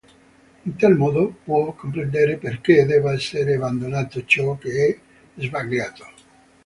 In tal modo può comprendere perché debba essere abbandonato ciò che è sbagliato.